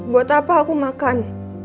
buat apa aku makan